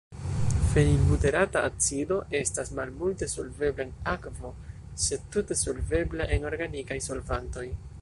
Fenilbuterata acido estas malmulte solvebla en akvo, sed tute solvebla en organikaj solvantoj.